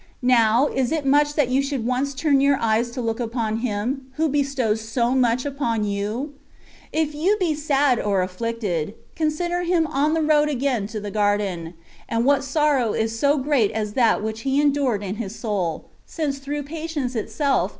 Now, is it much that you should once turn your eyes to look upon Him, who bestows so much upon you? If you be sad or afficted, consider Him on the road going to the garden ; and what sorrow is so great as that which He endured in *" Que seals vos la Seflora." 126 THE WAY OF PERFECTION. His Soul, since through patience itself.